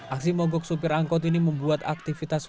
aksi mogok sopir angkot ini membuat aktivitas suara